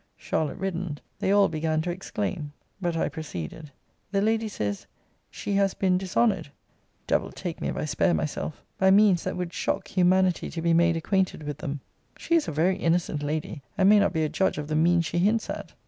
Charlotte reddened. They all began to exclaim. But I proceeded. The lady says, 'She has been dishonoured' (devil take me, if I spare myself!) 'by means that would shock humanity to be made acquainted with them.' She is a very innocent lady, and may not be a judge of the means she hints at.